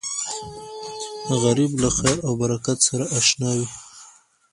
غریب له خیر او برکت سره اشنا وي